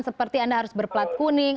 seperti anda harus berplat kuning